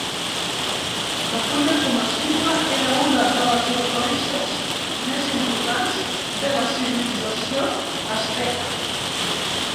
De fulla comestible, era una de les hortalisses més importants de la civilització asteca.